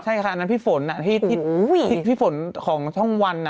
ใช่ค่ะอันนั้นพี่ฝนที่ฝนของช่องวัน